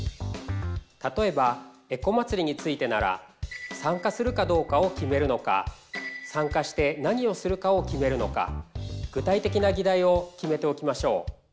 例えばエコまつりについてなら参加するかどうかを決めるのか参加して何をするかを決めるのか具体的な議題を決めておきましょう。